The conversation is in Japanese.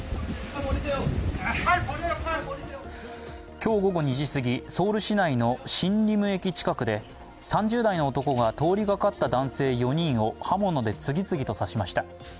今日午後２時すぎ、ソウル市内のシンリム駅近くで３０代の男が通りがかった男性４人を刃物で次々と刺しました。